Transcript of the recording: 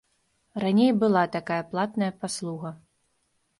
Раней была такая платная паслуга.